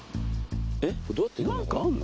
えっどうやって行くの？